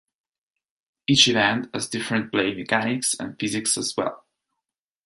Each event has different play mechanics and physics as well.